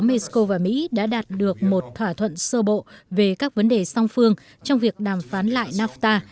mexico và mỹ đã đạt được một thỏa thuận sơ bộ về các vấn đề song phương trong việc đàm phán lại nafta